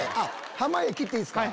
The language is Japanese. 濱家切っていいっすか？